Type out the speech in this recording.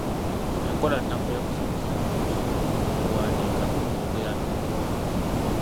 Enkola ennafu ey’okusomesaamu okusoma, okuwandiika, okwogera n’okubala.